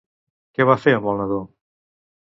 Què va fer amb el nadó?